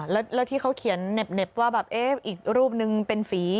แล้วที่เขาเขียนเน็บว่าอีกรูปหนึ่งเป็นฝี